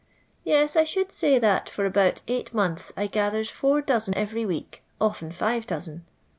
Yes, I should say that for about eight months I gathers four dozen every week, often five dozen.